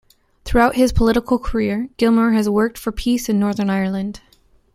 Throughout his political career, Gilmore has worked for peace in Northern Ireland.